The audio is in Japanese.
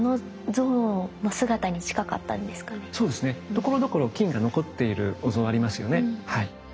ところどころ金が残っているお像ありますよね。